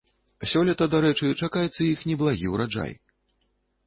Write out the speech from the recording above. Сёлета, дарэчы, чакаецца іх неблагі ўраджай.